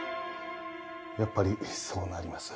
やっぱりそうなります？